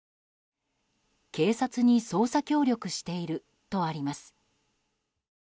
警察に捜査協力しているとあります。